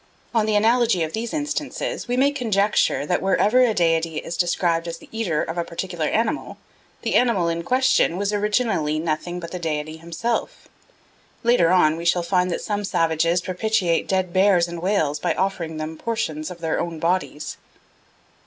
On the analogy of these instances we may conjecture that wherever a deity is described as the eater of a particular animal, the animal in question was originally nothing but the deity himself. Later on we shall find that some savages propitiate dead bears and whales by offering them portions of their own bodies.